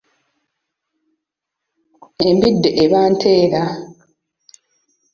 Embidde eba nteera.